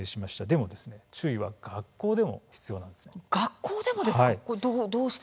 でも注意は学校でも必要です。